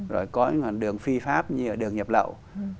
rồi có những đường phi pháp như là đường nhập lậu